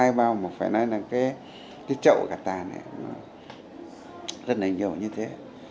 hai bao mà phải nói là cái trậu cả tàn này rất là nhiều như thế